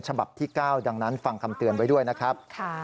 ฉบับที่๙ดังนั้นฟังคำเตือนไว้ด้วยนะครับ